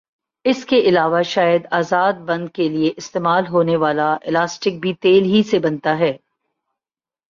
اس کے علاوہ شاید آزار بند کیلئے استعمال ہونے والا الاسٹک بھی تیل ہی سے بنتا ھے